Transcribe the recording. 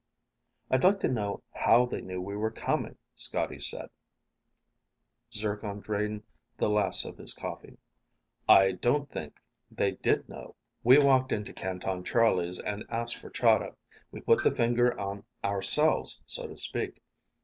"I'd like to know how they knew we were coming," Scotty said. Zircon drained the last of his coffee. "I don't think they did know. We walked into Canton Charlie's and asked for Chahda. We put the finger on ourselves, so to speak.